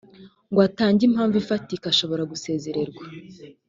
ngo atange impamvu ifatika ashobora gusezererwa